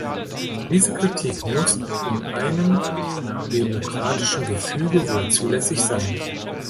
Diese Kritik muss in einem demokratischen Gefüge wohl zulässig sein.